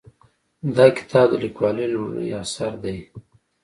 دا کتاب د لیکوالې لومړنی اثر دی